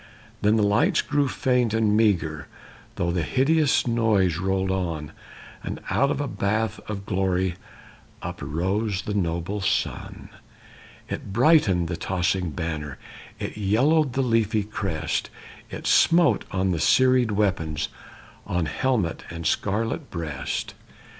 Then the lights grew faint and meagre, Though the hideous noise rolled on; And out of a bath of glory Uprose the noble sun. It brightened the tossing banner; It yellowed the leafy crest; It smote on the serried weapons, On helmet and scarlet breast.